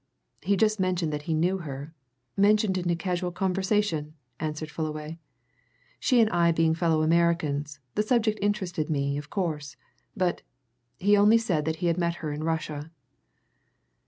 "He just mentioned that he knew her mentioned it in casual conversation," answered Fullaway. "She and I being fellow Americans, the subject interested me, of course. But he only said that he had met her in Russia."